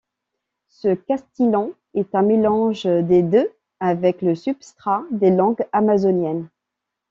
Ce castillan est un mélange des deux avec le substrat des langues amazoniennes.